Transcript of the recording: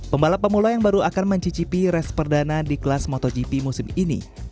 pembalap pemula yang baru akan mencicipi race perdana di kelas motogp musim ini